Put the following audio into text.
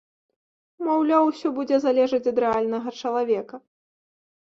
Маўляў, усё будзе залежаць ад рэальнага чалавека.